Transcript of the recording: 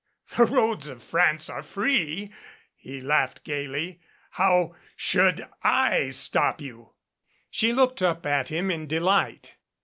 "The roads of France are free," he laughed gayly. "How should / stop you." She looked up at him in delight.